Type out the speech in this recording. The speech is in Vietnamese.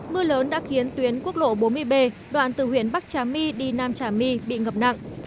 mưa lớn đã khiến tuyến quốc lộ bốn mươi b đoạn từ huyện bắc trà my đi nam trà my bị ngập nặng